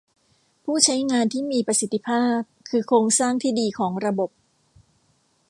ผู้ใช้งานที่มีประสิทธิภาพคือโครงสร้างที่ดีของระบบ